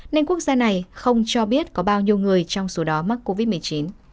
nên quốc gia này không cho biết có bao nhiêu người trong số đó mắc covid một mươi chín